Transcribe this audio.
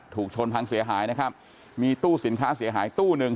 ถูกชนพังเสียหายนะครับมีตู้สินค้าเสียหายตู้หนึ่ง